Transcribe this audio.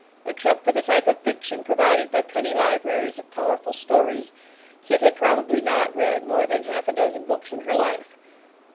Except for the type of fiction provided by "penny libraries of powerful stories." Kit had probably not read more than half a dozen books in her life.